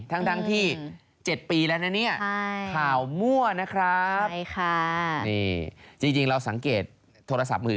ทั้งที่๗ปีแล้วนะเนี่ยข่าวมั่วนะครับใช่ค่ะนี่จริงเราสังเกตโทรศัพท์มือ